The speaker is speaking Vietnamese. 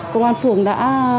công an phường đã